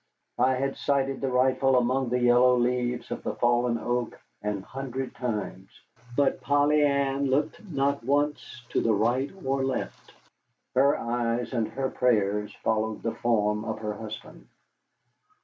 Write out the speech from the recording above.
I had sighted the rifle among the yellow leaves of the fallen oak an hundred times. But Polly Ann looked not once to the right or left. Her eyes and her prayers followed the form of her husband.